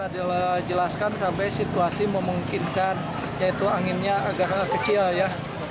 dijelaskan sampai situasi memungkinkan yaitu anginnya agak kecil ya